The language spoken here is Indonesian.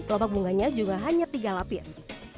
kelopak bunganya juga hanya tiga lapis